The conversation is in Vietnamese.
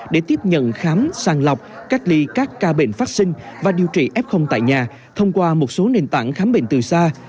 để tiếp nhận khám sàng lọc cách ly các ca bệnh phát sinh và điều trị f tại nhà thông qua một số nền tảng khám bệnh từ xa